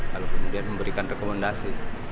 lalu kemudian memberikan rekomendasi